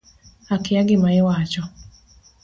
Akia gima iwacho